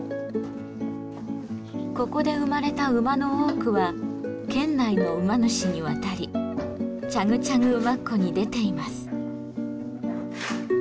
ここで生まれた馬の多くは県内の馬主に渡りチャグチャグ馬コに出ています。